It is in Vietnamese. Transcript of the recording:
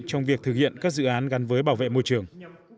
trong việc thực hiện các dự án gắn với bảo vệ môi trường